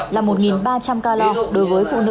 là một ba trăm linh ca lo đối với phụ nữ